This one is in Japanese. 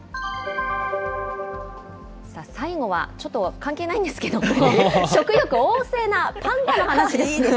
最後はちょっと関係ないんですけども、食欲旺盛なパンダの話です。